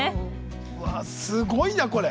うわすごいなこれ。